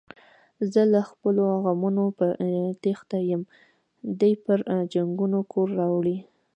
زه له خپلو غمونو په تېښته یم، دی پري جنگونه کورته راوړي.